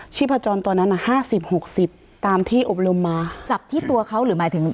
ชีพจรตอนนั้นอ่ะห้าสิบหกสิบตามที่อบรมมาจับที่ตัวเขาหรือหมายถึง